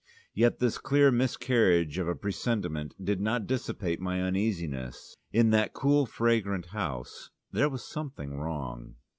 Yet this clear miscarriage of a presentiment did not dissipate my uneasiness. In that cool fragrant house there was something wrong.